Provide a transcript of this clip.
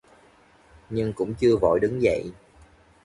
Nhưng cũng chưa vội đứng dậy